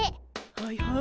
はいはい。